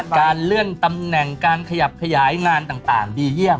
การเลื่อนตำแหน่งการขยับขยายงานต่างดีเยี่ยม